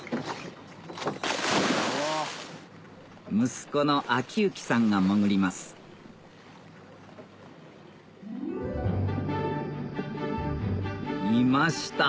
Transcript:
息子の昭之さんが潜りますいました！